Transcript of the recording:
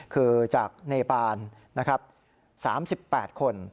คือจากเนปาน๓๘คน